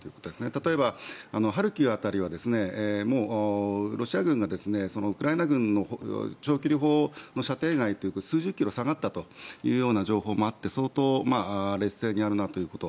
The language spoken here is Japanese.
例えば、ハルキウ辺りはロシア軍がウクライナ軍の長距離砲の射程外に数十キロ下がったという情報もあって相当、劣勢にあるなということ。